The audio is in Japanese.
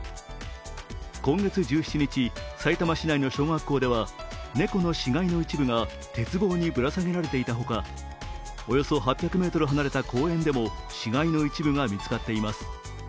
今月１７日、さいたま市内の小学校では猫の死骸の一部が鉄棒にぶら下げられていたほか、およそ８００ｍ離れた公園でも死骸の一部が見つかっています。